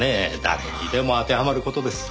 誰にでも当てはまる事です。